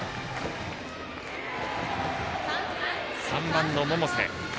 ３番の百瀬。